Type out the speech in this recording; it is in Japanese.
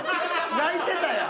泣いてたやん。